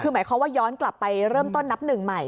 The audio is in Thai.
คือหมายความว่าย้อนกลับไปเริ่มต้นนับหนึ่งใหม่